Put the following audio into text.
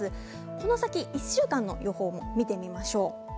この先、１週間の予報見てみましょう。